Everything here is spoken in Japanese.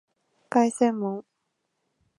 凱旋門